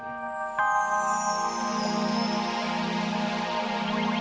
gue biadar ini ada pengalaman